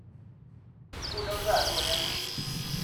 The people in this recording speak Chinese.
出生在洛杉矶。